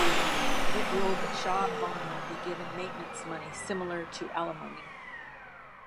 It ruled that Shah Bano be given maintenance money, similar to alimony.